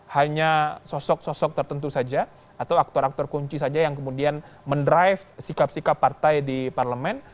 hanya sosok sosok tertentu saja atau aktor aktor kunci saja yang kemudian mendrive sikap sikap partai di parlemen